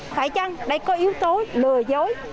phải chăng đây có yếu tố lừa dối